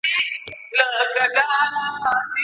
د پتڼ په وزرونو به ماړه سي